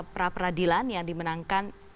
pra pradilan yang dimenangkan